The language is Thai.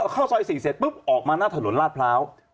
เข้าซอย๔เสร็จปุ๊บออกมาหน้าถนนลาดพร้าว